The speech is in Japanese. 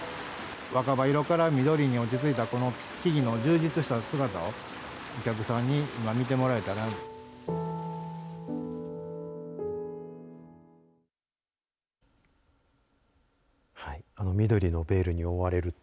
若葉色から緑に落ち着いたこの木々の充実した姿をお客さんに今見てもらえたらと。